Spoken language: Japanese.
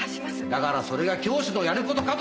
だからそれが教師のやる事かと。